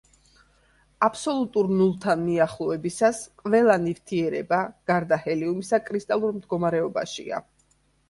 აბსოლუტურ ნულთან მიახლოებისას ყველა ნივთიერება, გარდა ჰელიუმისა, კრისტალურ მდგომარეობაშია.